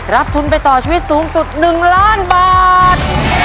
รับทุนไปต่อชีวิตสูงสุด๑ล้านบาท